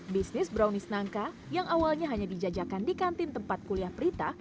bisnis brownies nangka yang awalnya hanya dijajakan di kantin tempat kuliah prita